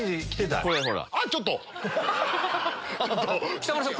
北村さん